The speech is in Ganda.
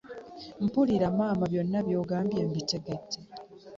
Mpulira maama byonna byongambye mbitegedde.